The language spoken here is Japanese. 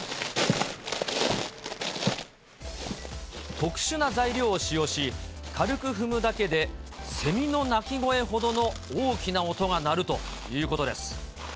特殊な材料を使用し、軽く踏むだけでセミの鳴き声ほどの大きな音が鳴るということです。